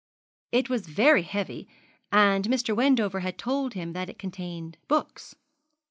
It was very heavy, and Mr. Wendover had told him that it contained books.